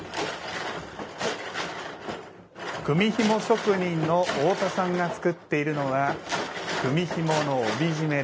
組みひも職人のおおたさんが作っているのは組みひもの帯締めです。